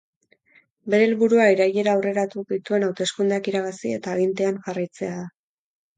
Bere helburua irailera aurreratu dituen hauteskundeak irabazi eta agintean jarraitzea da.